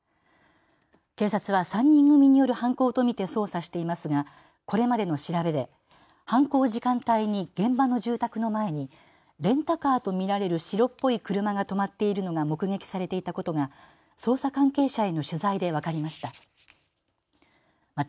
警察は３人組による犯行と見て捜査していますが、これまでの調べで犯行時間帯に現場の住宅の前にレンタカーと見られる白っぽい車が止まっているのが目撃されていたことが捜査関係者への取材で分かりました。